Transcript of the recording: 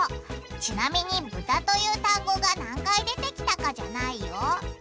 ちなみに「ブタ」という単語が何回出てきたかじゃないよ。